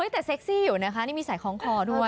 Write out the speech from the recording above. แต่เซ็กซี่อยู่นะคะนี่มีสายคล้องคอด้วย